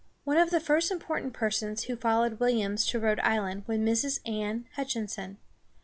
One of the first important persons who followed Williams to Rhode Island was Mrs. Anne Hutch´in son.